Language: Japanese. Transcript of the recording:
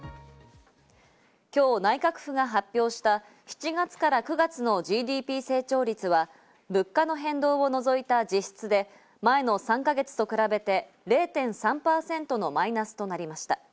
今日、内閣府が発表した７月から９月のＧＤＰ成長率は物価の変動を除いた実質で前の３か月と比べて０．３％のマイナスとなりました。